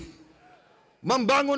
dan memiliki pertahanan yang kuat